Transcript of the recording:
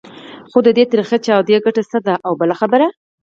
خو د دې تریخې چاودو ګټه څه ده؟ او بله خبره.